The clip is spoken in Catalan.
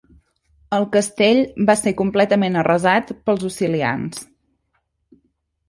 El castell va ser completament arrasat pels Osilians.